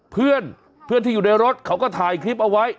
เพื่อนเพื่อนที่อยู่ในรถเขาก็ถ่ายคลิปเอาไว้